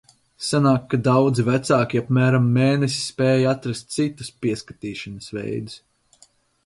Sanāk, ka daudzi vecāki apmēram mēnesi spēja atrast "citus pieskatīšanas veidus".